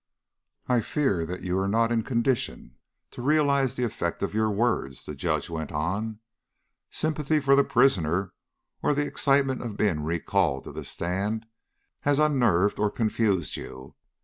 "I fear that you are not in a condition to realize the effect of your words," the Judge went on. "Sympathy for the prisoner or the excitement of being recalled to the stand has unnerved or confused you.